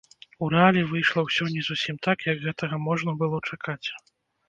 У рэале выйшла ўсё не зусім так, як гэтага можна было чакаць.